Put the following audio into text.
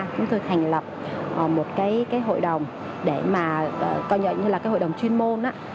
chúng tôi thành lập một cái hội đồng để mà coi nhận như là cái hội đồng chuyên môn